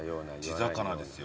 地魚です。